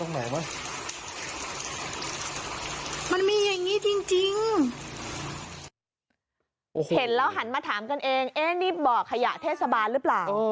เห็นแล้วหันมาถามกันเองนี่บ่อขยะเทศบาลหรือเปล่า